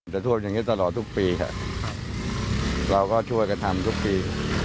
ท่วมอย่างนี้ตลอดทุกปีค่ะเราก็ช่วยกันทำทุกปี